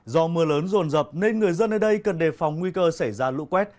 do mưa lớn rồn rập nên người dân ở đây cần đề phòng nguy cơ xảy ra lũ quét